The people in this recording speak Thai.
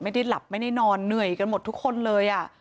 ไม่ได้หลับไม่ได้นอนเหนื่อยกันหมดทุกคนเลย